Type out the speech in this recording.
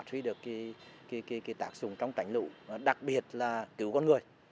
phát huy được cái tạc sùng trong tránh lũ đặc biệt là cứu con người